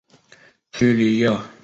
屈里耶尔。